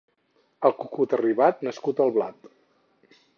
El cucut arribat, nascut el blat.